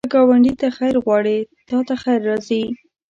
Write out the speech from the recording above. که ګاونډي ته خیر غواړې، تا ته خیر راځي